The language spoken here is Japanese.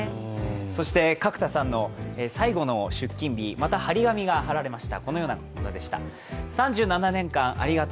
そして角田さんの最後の出勤日また貼り紙が貼られました。